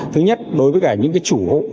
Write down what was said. thứ nhất đối với những chủ hộ